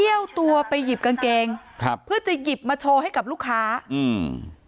ตัวไปหยิบกางเกงครับเพื่อจะหยิบมาโชว์ให้กับลูกค้าอืม